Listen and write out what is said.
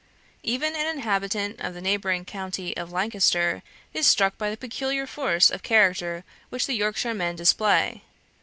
Even an inhabitant of the neighbouring county of Lancaster is struck by the peculiar force of character which the Yorkshiremen display.